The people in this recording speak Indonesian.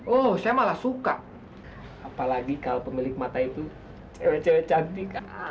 oh saya malah suka apalagi kalau pemilik mata itu cewek cewek cantik